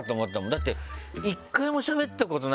だって１回もしゃべったことない吉村。